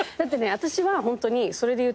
私はホントにそれで言うと。